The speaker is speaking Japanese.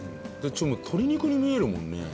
ちょっと鶏肉に見えるもんね。